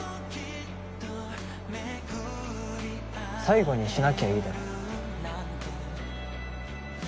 最後にしなきゃいいだろ。